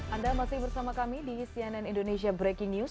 anda masih bersama kami di cnn indonesia breaking news